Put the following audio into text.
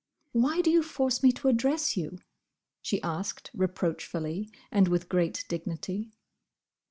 "Why do you force me to address you?" she asked reproachfully, and with great dignity.